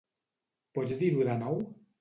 Pots dir-ho de nou?